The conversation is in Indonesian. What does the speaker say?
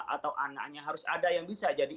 atau anaknya harus ada yang bisa jadi